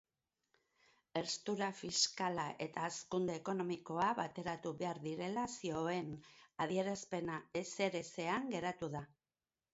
Herstura fiskala eta hazkunde ekonomikoa bateratu behar zirela zioen adierazpena ezerezean geratu da.